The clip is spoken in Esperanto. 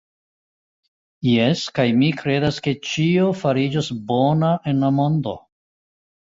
Jes, kaj mi kredas, ke ĉio fariĝos bona en la mondo.